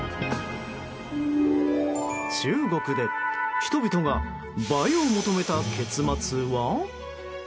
中国で人々が映えを求めた結末は。